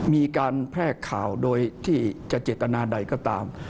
มีการแพร่ข่าวโดยที่จะเจตนาใดก็ตาม